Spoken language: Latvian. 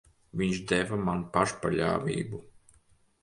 Viņš deva man pašpaļāvību.